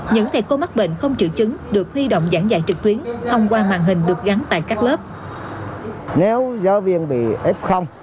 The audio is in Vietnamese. những thầy cô mắc bệnh không triệu chứng được huy động giảng dạy trực tuyến thông qua màn hình được gắn tại các lớp